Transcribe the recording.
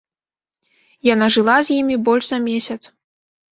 Яна жыла з імі больш за месяц.